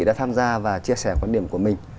đã tham gia và chia sẻ quan điểm của mình